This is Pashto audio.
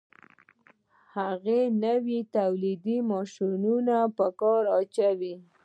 هغه نوي تولیدي ماشینونه په کار اچوي